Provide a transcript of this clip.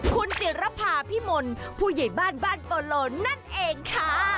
คุณจิรภาพิมลผู้ใหญ่บ้านบ้านโปโลนั่นเองค่ะ